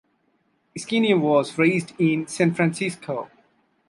Schnier was raised in San Francisco.